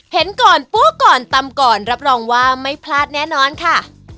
เห็นก่อนปูก่อนตำก่อนรับรองว่าไม่พลาดแน่นอนค่ะ